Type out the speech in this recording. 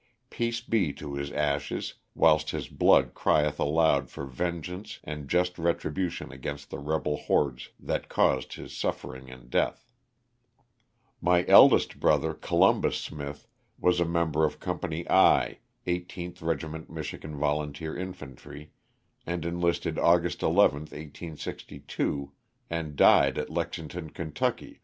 '' Peace be to his ashes," whilst his blood crieth aloud for vengeance and just retribution against the rebel hordes that caused his suffering and death. My eldest brother, Columbus Smith, was a member of Company I, 18th Regiment Michigan Volunteer In fantry, and enlisted August 11, 1862, and died at Lex ington, Ky.